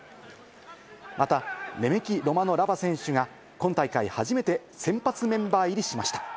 またレメキ・ロマノ・ラヴァ選手が今大会初めて、先発メンバー入りしました。